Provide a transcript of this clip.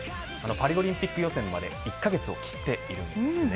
パリオリンピック予選まで１カ月を切っています。